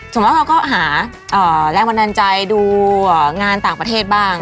ส่วนมากเราก็หาแรงบันดาลใจดูงานต่างประเทศบ้าง